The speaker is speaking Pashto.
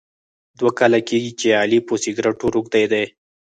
دوه کاله کېږي چې علي په سګرېټو روږدی دی.